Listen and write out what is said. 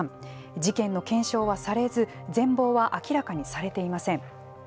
事件の検証はされず全貌は明らかにされていません。